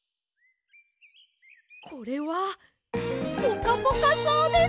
これはポカポカそうです！